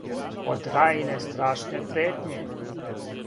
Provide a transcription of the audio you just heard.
Од рајине страшне претње,